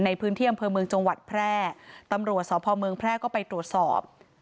ในพื้นที่อำเภอเมืองจังหวัดแพร่ตำรวจสพเมืองแพร่ก็ไปตรวจสอบ